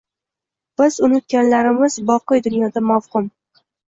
Biz unutganlarimiz boqiy dunyoda mavhum.